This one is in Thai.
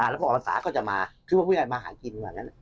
อ๋อแล้วพอบรรษาก็จะมาคือว่าพี่ใหญ่มาหากินว่างั้นอ๋อ